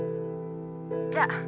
じゃあ。